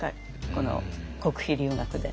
この国費留学で。